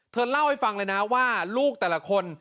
เธอเล่าให้ฟังเลยนะว่าลูกแต่ละคน